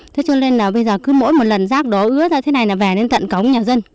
thế cho nên là bây giờ cứ mỗi một lần rác đó ướt ra thế này là về đến tận cống nhà dân